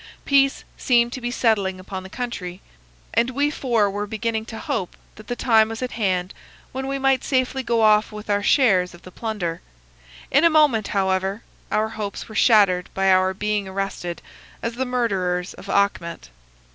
Peace seemed to be settling upon the country, and we four were beginning to hope that the time was at hand when we might safely go off with our shares of the plunder. In a moment, however, our hopes were shattered by our being arrested as the murderers of Achmet.